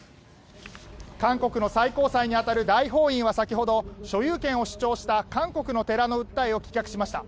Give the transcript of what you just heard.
韓国の最高裁に当たる大法院は先ほど所有権を主張した韓国の寺の訴えを棄却しました。